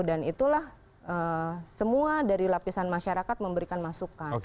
dan itulah semua dari lapisan masyarakat memberikan masukan